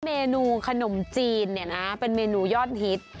เมนูขนมจีนเนี่ยนะเป็นเมนูยอดฮิต